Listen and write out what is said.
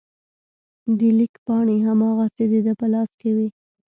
د لیک پاڼې هماغسې د ده په لاس کې وې.